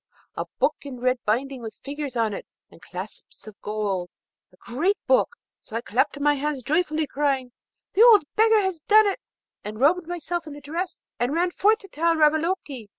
a book in red binding, with figures on it and clasps of gold, a great book! So I clapped my hands joyfully, crying, 'The old beggar has done it!' and robed myself in the dress, and ran forth to tell Ravaloke.